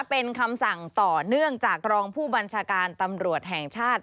เป็นคำสั่งต่อเนื่องจากรองผู้บัญชาการตำรวจแห่งชาติ